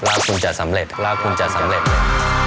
ว่าคุณจะสำเร็จแล้วคุณจะสำเร็จเลย